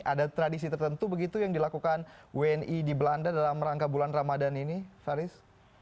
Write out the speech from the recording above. ada tradisi tertentu begitu yang dilakukan wni di belanda dalam rangka bulan ramadan ini faris